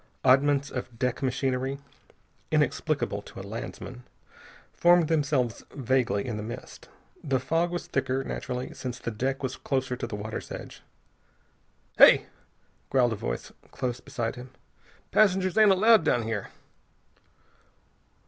Oddments of deck machinery, inexplicable to a landsman, formed themselves vaguely in the mist. The fog was thicker, naturally, since the deck was closer to the water's edge. "Hey!" growled a voice close beside him. "Passengers ain't allowed down here."